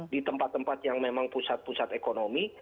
di tempat tempat yang memang pusat pusat ekonomi